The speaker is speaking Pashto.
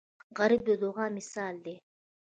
غریب د دعاو مثال دی